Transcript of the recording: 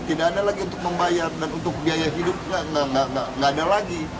tidak ada lagi untuk membayar dan untuk biaya hidup nggak ada lagi